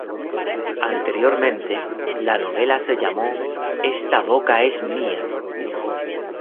Anteriormente la novela se llamó "Esta boca es mía".